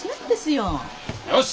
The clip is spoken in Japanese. よし！